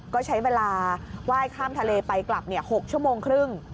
ก็ใช้เวลาไหว้ข้ามทะเลไปกลับ๖ชั่วโมงครึ่ง